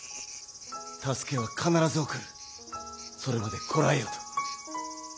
助けは必ず送るそれまでこらえよと。